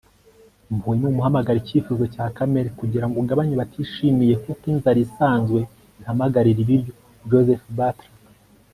impuhwe ni umuhamagaro, icyifuzo cya kamere, kugira ngo ugabanye abatishimye kuko inzara isanzwe ihamagarira ibiryo. - joseph butler